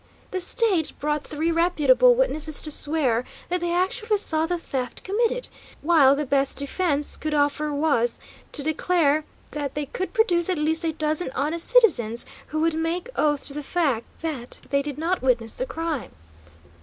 The State brought three reputable witnesses to swear that they actually saw the theft committed, while the best the defence could offer was to declare that they could produce at least a dozen honest citizens who would make oath to the fact that they did not witness the crime.